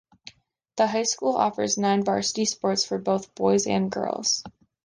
The high school offers nine varsity sports for both boys and girls.